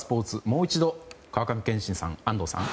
もう一度、川上憲伸さん安藤さん。